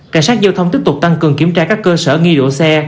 cảnh sát giao thông tiếp tục tăng cường kiểm tra các cơ sở nghi đổ xe